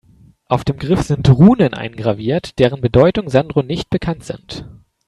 Auf dem Griff sind Runen eingraviert, deren Bedeutung Sandro nicht bekannt sind.